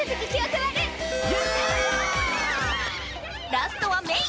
ラストはメイ！